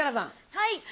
はい。